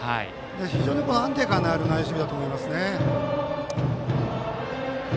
非常に安定感のある内野守備だと思いますね。